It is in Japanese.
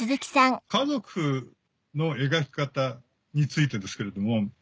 家族の描き方についてですけれども。